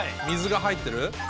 水が入ってる。